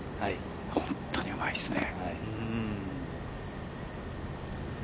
本当にうまいですね。